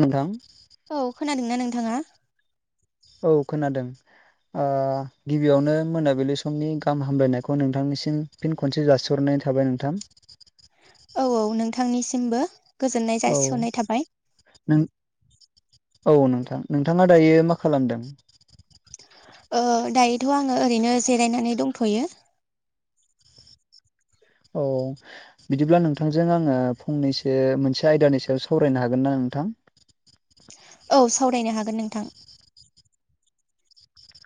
नोंथां औ खोनादोंना नोंथाङा औ खोनादों गिबियावनो मोनाबिलि समनि गाहाम हामलायनायखौ नोंथांनिसिम फिन खनसे जासिहरनाय थाबाय नोंथां औ औ नोंथांनिसिमबो गोजोननाय औ जासिहरनाय थाबाय नों औ नोंथां नोंथाङा दायो मा खालामदों दायोथ' आङो ओरैनो जिरायनानै दंथ'यो औ बिदिब्ला नोंथांजों आङो फंनैसो मोनसे आयदानि सायाव सावरायनो हागोन ना नोंथां औ सावरायनो हागोन नोंथां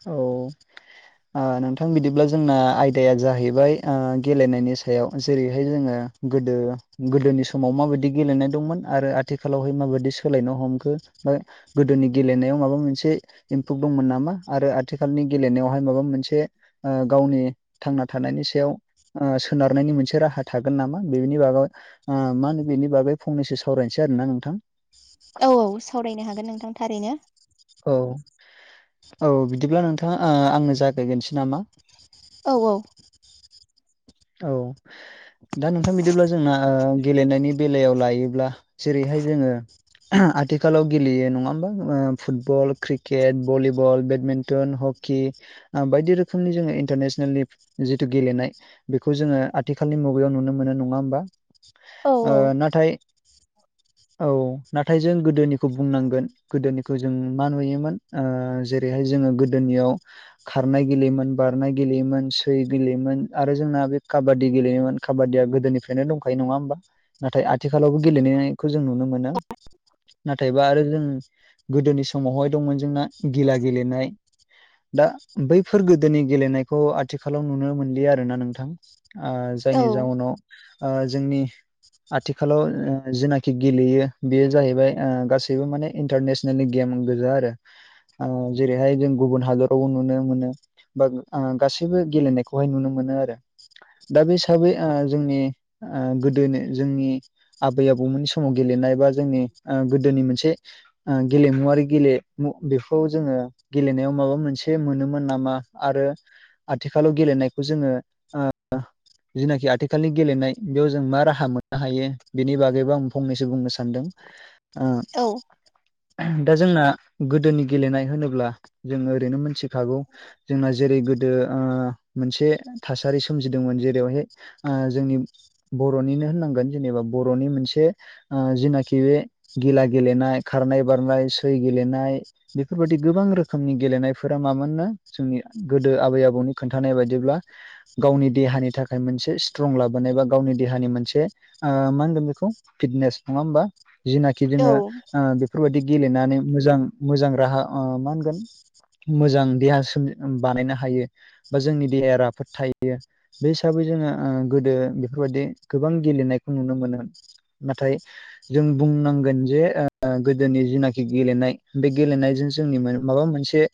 औ नोंथां बिदिब्ला जोंना आयदाया जाहैबाय गेलेनायनि सायाव जेरैहाय जोङो गोदो गोदोनि समाव माबायदि गेलेनाय दंमोन आरो आथिखालावहाय माबायदि सोलायनो हमखो गोदोनि गेलेनायाव माबा मोनसे इम्पुभ दंमोन नामा आरो आथिखालनि गेलेनायावहाय माबा मोनसे गावनि थांना थानायनि सायाव सोनारनायनि मोनसे राहा थागोन नामा बेनि बागै मा होनो बेनि बागै फंनैसो सावरायसै आरो ना नोंथां औ औ सावरायनो हागोन नोंथां थारैनो औ औ बिदिब्ला नोंथाङा आंनो जागायग्रोनोसै नामा औ औ औ दा नोंथां बिदिब्ला जोंना गेलेनायनि बेलायाव लायोब्ला जेरैहाय जोङो आथिखालाव गेलेयो नङा होमबा football cricket volleyball badminton hockey बायदि रोखोमनि जोङो इन्टारनेसनेलनि जिथु गेलेनाय बेखौ जोङो आथिखालनि मुगायाव नुनो मोनो नङा होमबा औ नाथाय औ नाथाय जों गोदोनिखौ बुंनांगोन गोदोनिखौ जों मा नुयोमोन जेरैहाय जोङो गोदोनियाव खारनाय गेलेयोमोन बारनाय गेलेयोमोन सै गेलेयोमोन आरो आरो जोंना बे काबादि गेलेयोमोन काबादिया गोदोनिफ्रायनो दंखायो नङा होमबा नाथाय आथिखालावबो गेलेनायखौ जों नुनो मोनो नाथायबा आरो जों गोदोनि समावहाय दंमोन जोंना गिला गेलेनाय दा बैफोर गोदोनि गेलेनायखौ आथिखालाव नुनो मोनलिया आरोना नोंथां औ जायनि जाउनाव जोंनि आथिखालाव जनाखि गेलेयो बेयो जाहैबाय गासैबो माने इन्टारनेसनेल बिदिनो गेम गोजा आरो जेरैहाय जों गुबुन हादरावबो नुनो मोनो बा आङो गासैबो गेलेनायखौहाय नुनो मोनो आरो दा बे हिसाबै जोंनि गोदोनि जोंनि आबै आबौमोननि समाव गेलेनाय बा जोंनि गोदोनि मोनसे गेलेमुवारि गेलेमु बेखौ जोङो गेलेनायाव माबा मोनसे एसे मोनोमोन नामा आरो आथिखालाव गेलेनायखौ जोङो जिनाखि आथिखालनि गेलेनाय बेयाव जों मा राहा मोननो हायो बेनि बागैबो आं फंनैसो बुंनो सानदों ओ औ दा जोंना गोदोनि गेलेनाय होनोब्ला जों ओरैनो मोनथिखागौ जोंना जेरै गोदो मोनसे थासारि सोमजिदोंमोन जेरावहाय जोंनि बर'निनो होननांगोन जेनेबा बर'नि मोनसे जिनाखि बे गिला गेलेनाय खारनाय बारनाय सै गेलेनाय बेफोरबायदि गोबां रोखोमनि गेलेनायफोरा मामोन नो जोंनि गोदो आबै आबौनि खोन्थानाय होनाय बायदिब्ला गावनि देहानि थाखाय मोनसे स्ट्रं लाबोनाय बा गावनि देहानि मोनसे मा होनगोन बेखौ फिटनेस नङा होमबा जिनाखि औ जोङो बेफोरबायदि गेलेनानै मोजां मोजां राहा मा होनगोन मोजां देहा सोम बानायनो हायो बा जोंनि देहाया राफोद थायो बे हिसाबै जोङो गोदो बेफोरबायदि गोबां गेलेनायखौ नुनो मोनो नाथाय जों बुंनांगोन जे गोदोनि जिनाखि गेलेनाय बे गेलेनायजों जोंनि माबा मोनसे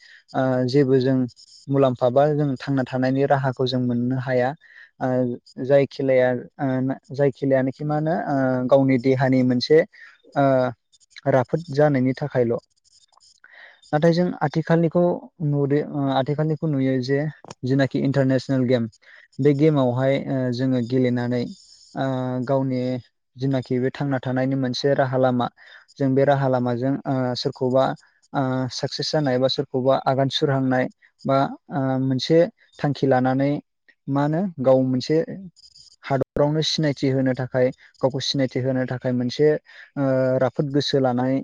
जेबो जों मुलाम्फा बा जों थांना थानायनि राहाखौ जों मोननो हाया जाय खेलाया जाय खेलायानिखि मा होनो गावनि देहानि मोनसे राफोद जानायनि थाखायल नाथाय जों आथिखालनिखौ नुदों आथिखालनिखौ नुयो जे जेनाखि इन्टारनेसनेल गेम बे गेमावहाय जोङो गेलेनानै ओ गावनि जिनाखि बे थांना थानायनि मोनसे राहा लामा जों बे राहा लामाजों सोरखौबा साक्सेस जानाय बा सोरखौबा आगान सुरहांनाय बा मोनसे थांखि लानानै मा होनो गाव मोनसे हादरावनो सिनायथि होनो थाखाय गावखौ सिनायथि होनो थाखाय मोनसे राफोद गोसो लानाय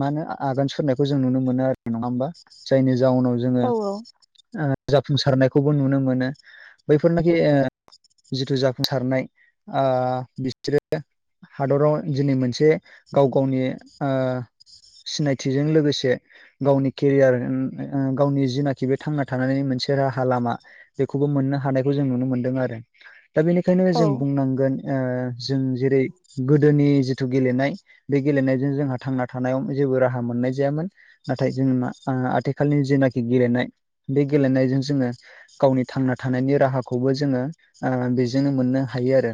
मा होनो आगान सुरनायखौ जों नुनो मोनो आरो नङा होमबा जायनि जाउनाव जोङो औ जाफुंसारनायखौबो नुनो मोनो बैफोरनाखि जिथु जाफुंसारनाय बिसोरो हादराव दिनै मोनसे गाव गावनि ओ सिनायथिजों लोगोसे गावनि केरियार गावनि जिनाखि बे थांना थानाय थानानै मोनसे राहा लामा बेखौबो मोननो हानायखौ जों नुनो मोन्दों आरो। दा बेनिखायनो जों औ बुंनांगोन जों जेरै गोदोनि जिथु जिथु गेलेनाय बे गेलेनायजों जोंहा थांना थानायाव जेबो राहा मोननाय जायामोन। नाथाय जों मा आथिखालनि जेनाखि गेलेनाय बे गेलेनायजों जोङो गावनि थांना थानायनि राहाखौबो जोङो बेजोंनो मोननो हायो आरो।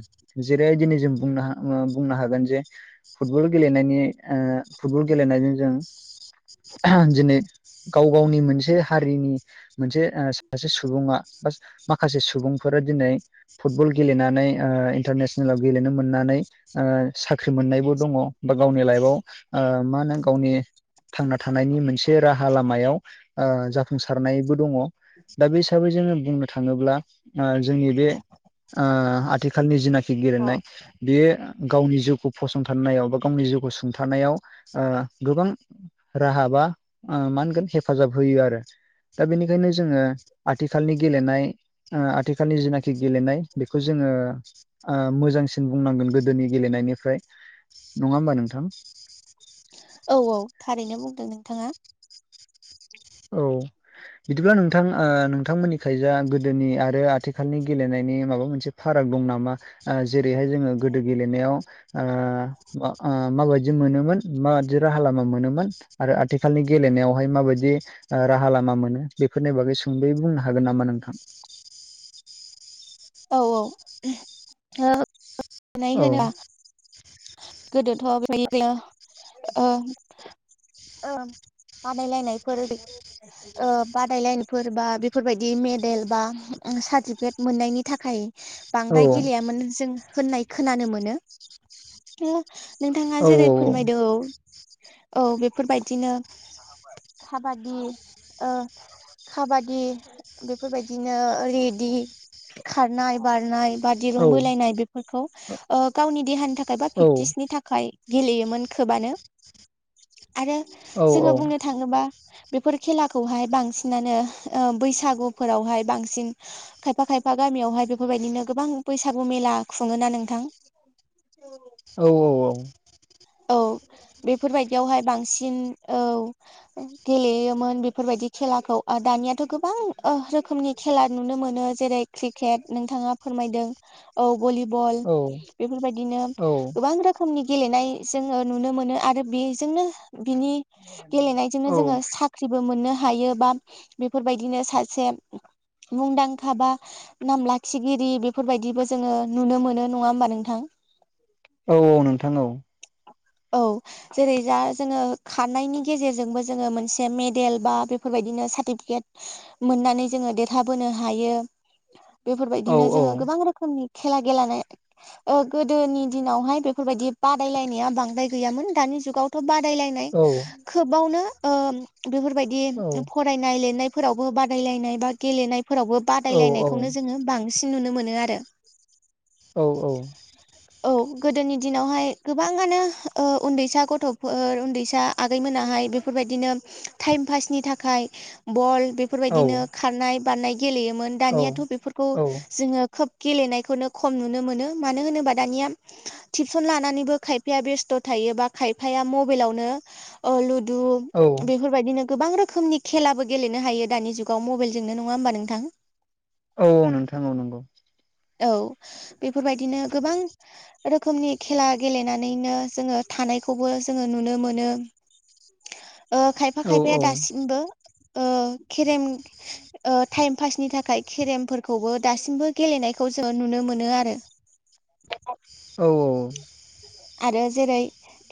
जेरै दिनै जों बुंनो बुंनो हागोन जे फुटबल गेलेनायनि ओ फुटबल गेलेनायजों जों दिनै गाव गावनि मोनसे हारिनि मोनसे सासे सुबुङा बा माखासे सुबुंफोरा दिनै फुटबल गेलेनानै इन्टारनेसनेलाव गेलेनो मोननानै ओ साख्रि मोननायबो दङ दा गावनि लाइफआव मा होनो गावनि थांना थानायनि मोनसे राहा लामायाव जाफुंसार सारनायबो दङ दा बे हिसाबै जोङो बुंनो थाङोब्ला जोंनि बे आथिखालनि जिनाखि गेलेनाय बेयो गावनि जिउखौ फसंथानायाव बा गावनि जिउखौ सुंथानायाव ओ गोबां राहा बा मा होनगोन हेफाजाब होयो आरो। दा बेनिखायनो जोङो ओ आथिखालनि गेलेनाय आथिखालनि जेनाखि गेलेनाय बेखौ जोङो। ओ मोजांसिन बुंनांगोन गोदोनि गेलेनायनिफ्राय नङा होमबा नोंथां। औ औ थारैनो बुंदों नोंथाङा। औ। बिदिब्ला नोंथां नोंथांमोननिखैजा गोदोनि आरो आथिखालनि गेलेनायनि माबा मोनसे फाराग दं नामा? जेरैहाय जोङो गोदो गेलेनायाव माबादि मोनोमोन माबादि राहालामा मोनोमोन आरो आथिखालनि गेलेनायावहाय माबादि राहालामा मोनो। बेफोरनि बागै सुंदयै बुंनो हागोन नामा नोंथां। औ औ ओ औ। गोदोथ' [unintelligible] ओं बादायलायनायफोर बादायलायनायफोर बा बेफोरबायदि मेडेल बा सार्टिफिकेट मोननायनि थाखाय बांद्राय गेलेयामोन जों होननाय खोनानो मोनो। नोंथाङा जेरै फोरमायदों औ औ बेफोरबादिनो काबादि ओ खाबादि बेफोरबादिनो रेडि खारनाय बारनाय बा दिरुं बोलायनाय बेफोरखौ गावनि देहानि थाखाय बा प्रेक्टिस नि नि थाखाय गेलेयोमोन खोबानो। आरो जोङो बुंनो थाङोबा बेफोर खेलाखौहाय बांसिनानो ओ बैसागुफोरावहाय बांसिन खायफा खायफा गामियावहाय बेफोरबायदिनो गोबां बैसागु मेला खुङोना नोंथां? औ औ औ। औ बेफोरबायदियावहाय बांसिन औ गेलेयोमोन बेफोरबादि खेलाखौ दानियाथ' गोबां ओ रोखोमनि खेला नुनो मोनो जेरै क्रिकेट नोंथाङा फोरमायदों। औ भलिबल बेफोरबादिनो गोबां रोखोमनि गेलेनाय जोङो नुनो मोनो आरो बेजोंनो बिनि गेलेनायजोंनो औ जोङो साट साख्रिबो मोननो हायो बा बेफोरबायदिनो सासे मुंदांखा बा नाम लाखिगिरि बेफोरबादिबो जोङो नुनो मोनो आरो नङा होमबा नोंथां औ औ नोंथां औ। औ। जेरै जा जोङो खारनायनि गेजेरजोंबो जोङो मोनसे मेडेल बा बेफोरबायदिनो सार्टिफिकेट मोननानै जोङो देरहाबोनो हायो औ बेफोरबायदिनो औ जोङो गोबां रोखोमनि खेला गेलनाय ओ गोदोनि दिनावहाय बेफोरबायदि बादायलायनाया बांसिन दानि जुगावथ बादायलायनाय औ खोबावनो ओ बेफोरबादि बे फरायनाय लिरनायफोरावबो बादायलायनाय बा गेलेनायफोरावबो औ बादायलायनायखौनो जोङो बांसिन नुनो मोनो आरो औ औ औ गोदोनि दिनावहाय गोबाङानो ओ उन्दैसा गथ'फोर उन्दैसा आगै मोनाहाय बेफोरबायदिनो टाइम पासनि थाखाय बल बेफोरबायदिनो खारनाय बारनाय गेलेयोमोन दानियाथ' बेफोरखौ औ जोङो खोब गेलेनायखौनो खम नुनो मोनो मानो होनोबा दानिया टिपसन लानानैबो खायफाया बेस्थ' थायोबा खायफाया मबाइलावनो लुदु औ बेफोरबायदिनो गोबां रोखोमनि खेलाबो गेलेनो हायो दानि जुगाव मबाइलजोंनो नङा होमबा नोंथां औ औ नोंथां ओ नंगौ औ बेफोरबायदिनो गोबां रोखोमनि खेला गेलेनानैनो जोङो थानायखौबो जोङो नुनो मोनो ओ खायफा औ खायफाया दासिमबो ओ खेरेम ओ टाइम पासनि थाखाय केेरेम फोरफोरखौबो दासिमबो गेलेनायखौ जोंङो नुनो मोनो आरो औ औ आरो जेरै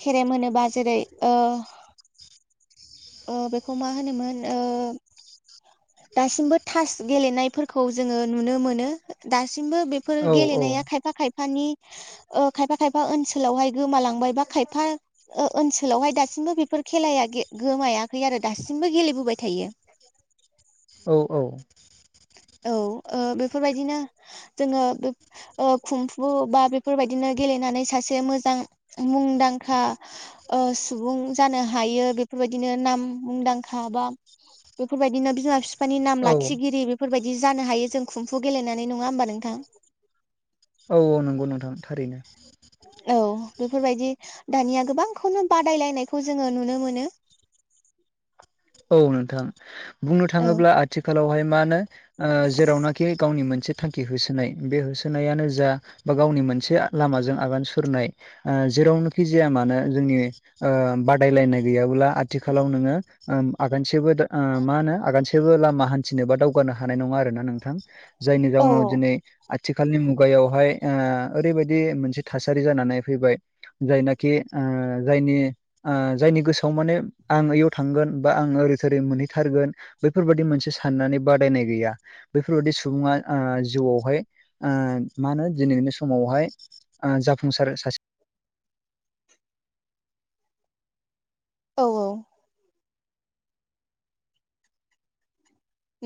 खेराम होनोबा जेरै ओ ओ बेखौ मा होनोमोन ओ दासिमबो थास गेलेनायफोरखौ जोङो नुनो मोनो दासिमबो बेफोर गेलेनाया खायफा खायफानि ओ खायफा खायफा ओनसोलावहाय गोमालांबाय बायबा खायफा ओनसोलावहाय दासिमबो बेफोर खेलाया गोमायाखै आरो दासिमबो गेलेबोबाय थायो औ औ औ ओ बेफोरबायदिनो जोंङो ओ खुमफु बा बेफोरबायदिनो गेलेनानै सासे मोजां मुंदांखा ओ सुबुं जानो हायो बेफोरबायदिनो नाम मुंदांखा बा बेफोरबायदिनो बिमा बिफानि नाम औ लाखिगिरि बेफोरबायदि जानो हायो जों खुम्फु गेलेनानै नङा होमबा नोंथां औ औ नंगौ नोंथां थारैनो औ बेफोरबायदि दानिया गोबांखौनो बादायलायनायखौ जोङो नुनो मोनो औ नोंथां बुंनो औ थाङोब्ला आथिखालावहाय मा नो ओ जेरावनाखि गावनि मोनसे थांखि होसोनाय बे होसोनायानो जा बा गावनि मोनसे लामाजों आगान सुरनाय अ जेरावनोखि जाया मानो जोंनि ओ बादायलायनाय गैयाब्ला आथिखालाव नोंङो आगानसेबो ओ मा होनो आगानसे सेबो लामा हान्थिनो बा दावगानो हानाय नङा आरोना नोंथां जायनि औ जाउनाव दिनै आथिखालनि मुगायावहाय ओ ओरैबायदि मोनसे थासारि जानानै फैबाय जायनाखि ओ जायनि ओ जायनि गोसोआव माने आं ओइयाव थां थांगोन बा आं ओरै थोरै मोनहैथारगोन बैफोरबायदि मोनसे साननानै बादायनाय गैया बेैफोरबादि सुबुङा ओ जिउआवहाय ओ मा होनो दिनैनि बे समावहाय आ जाफुंसार सासे औ औ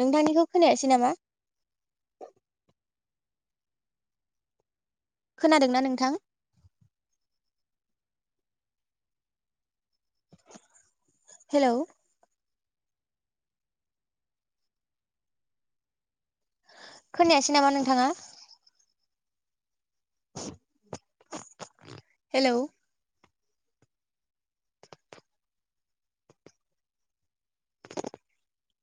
नोंथांनिखौ खोनायासै नामा खोनादोंना नोंथां हेलौ खोनायासै नामा नोंथाङा हेलौ